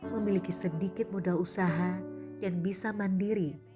memiliki sedikit modal usaha dan bisa mandiri